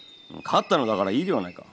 勝ったのだからいいではないか。